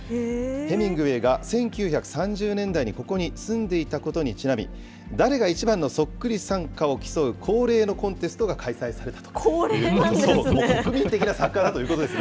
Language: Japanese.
ヘミングウェーが１９３０年代にここに住んでいたことにちなみ、誰が一番のそっくりさんかを競う恒例のコンテストが開催されたということです。